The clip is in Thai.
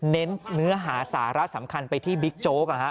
เน้นเนื้อหาสาระสำคัญไปที่บิ๊กโจ๊ก